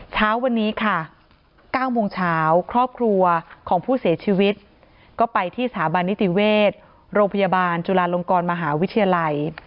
เช้าวันนี้ค่ะ๙โมงเช้าครอบครัวของผู้เสียชีวิตก็ไปที่สถาบันนิติเวชโรงพยาบาลจุฬาลงกรมหาวิทยาลัย